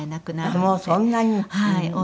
もうそんなに？